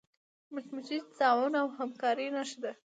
مچمچۍ د تعاون او همکاری نښه ده